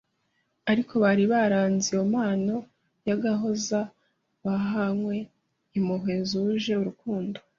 Ariko bari baranze iyo mpano y'agahozo bahanywe impuhwe zuje urukundo.